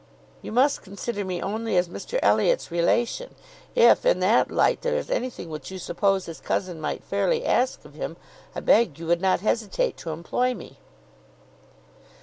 You must consider me only as Mr Elliot's relation. If in that light there is anything which you suppose his cousin might fairly ask of him, I beg you would not hesitate to employ me."